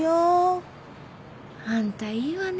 あんたいいわね。